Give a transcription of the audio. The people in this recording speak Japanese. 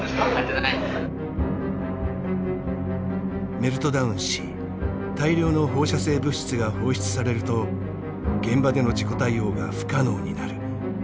メルトダウンし大量の放射性物質が放出されると現場での事故対応が不可能になる。